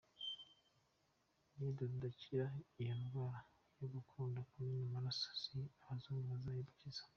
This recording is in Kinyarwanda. Nitudakira iyo ndwara yo gukunda kumena amaraso si abazungu bazayidukiza.